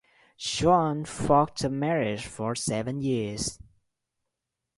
Joan fought the marriage for seven years.